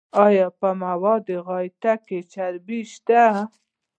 ایا په موادو غایطه کې چربی شته؟